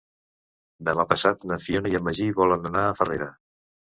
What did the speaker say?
Demà passat na Fiona i en Magí volen anar a Farrera.